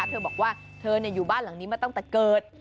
เธอบอกว่าเธออยู่บ้านหลังนี้มาตั้งแต่เกิด